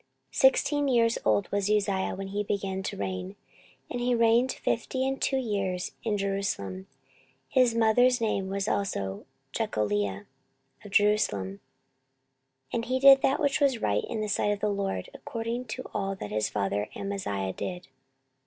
14:026:003 Sixteen years old was Uzziah when he began to reign, and he reigned fifty and two years in Jerusalem. His mother's name also was Jecoliah of Jerusalem. 14:026:004 And he did that which was right in the sight of the LORD, according to all that his father Amaziah did.